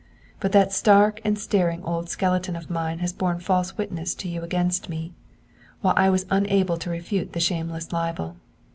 'But that stark and staring old skeleton of mine has borne false witness to you against me, while I was unable to refute the shameless libel.